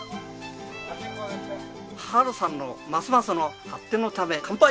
はるさんのますますの発展のため乾杯！